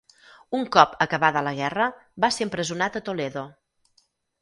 Un cop acabada la guerra va ser empresonat a Toledo.